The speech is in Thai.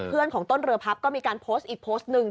ของต้นเรือพับก็มีการโพสต์อีกโพสต์หนึ่ง